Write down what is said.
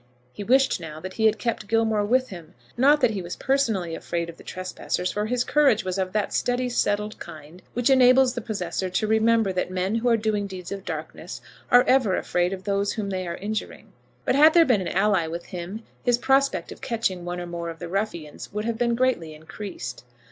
He wished now that he had kept Gilmore with him, not that he was personally afraid of the trespassers, for his courage was of that steady settled kind which enables the possessor to remember that men who are doing deeds of darkness are ever afraid of those whom they are injuring; but had there been an ally with him his prospect of catching one or more of the ruffians would have been greatly increased.